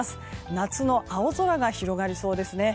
夏の青空が広がりそうですね。